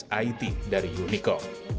berdasarkan kondisi it dari unico